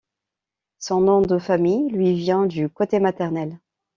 Son nom de famille lui vient du côté maternel.